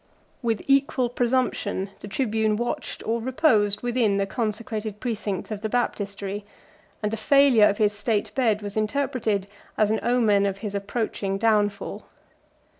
37 With equal presumption the tribune watched or reposed within the consecrated precincts of the baptistery; and the failure of his state bed was interpreted as an omen of his approaching downfall.